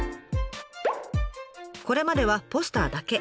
これまではポスターだけ。